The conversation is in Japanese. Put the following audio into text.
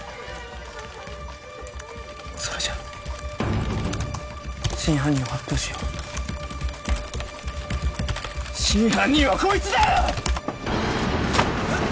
それじゃ真犯人を発表しよう真犯人はこいつだよ！